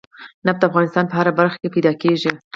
نفت د افغانستان په هره برخه کې موندل کېږي.